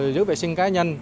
giữ vệ sinh cá nhân